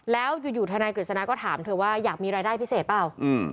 แล้วอยู่ทนายกฤษณะก็ถามเธอว่าอยากมีรายได้พิเศษเปล่า